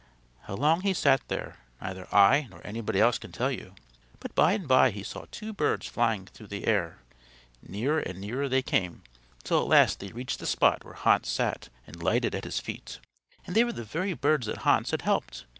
How long he sat there, neither I nor anybody else can tell you, but by and by he saw two birds flying through the air. Nearer and nearer they came till at last they reached the spot where Hans sat and lighted at his feet. And they were the very birds that Hans had helped.